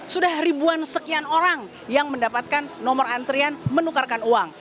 sudah ribuan sekian orang yang mendapatkan nomor antrian menukarkan uang